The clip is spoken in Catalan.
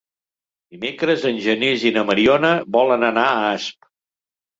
Dimecres en Genís i na Mariona volen anar a Asp.